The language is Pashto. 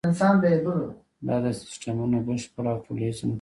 دا د سیسټمونو بشپړه او ټولیزه مطالعه ده.